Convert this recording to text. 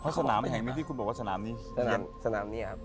เพราะสนามไม่เห็นไหมที่คุณบอกว่าสนามนี้เฮียน